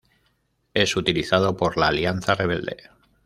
Es utilizado por la Alianza Rebelde.